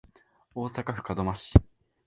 大阪府門真市